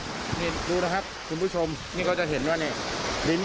นี่ดูนะครับคุณผู้ชมนี่ก็จะเห็นว่าเนี่ยลิ้น